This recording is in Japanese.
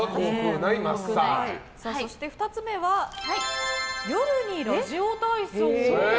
そして２つ目は夜にラジオ体操。